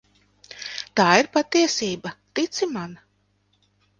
Tā ir patiesība, tici man.